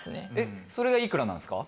それがいくらなんですか？